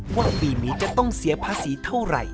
ว่าปีนี้จะต้องเสียภาษีเท่าไหร่